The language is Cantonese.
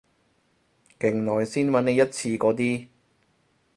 勁耐先搵你一次嗰啲